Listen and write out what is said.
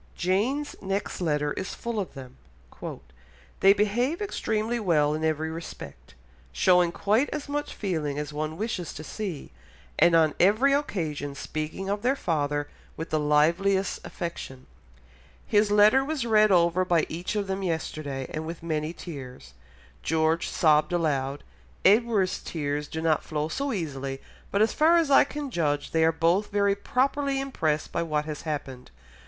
Jane's next letter is full of them. "They behave extremely well in every respect, showing quite as much feeling as one wishes to see, and on every occasion speaking of their father with the liveliest affection. His letter was read over by each of them yesterday and with many tears; George sobbed aloud, Edward's tears do not flow so easily, but as far as I can judge, they are both very properly impressed by what has happened....